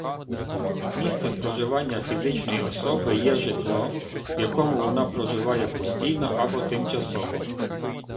Місцем проживання фізичної особи є житло, в якому вона проживає постійно або тимчасово.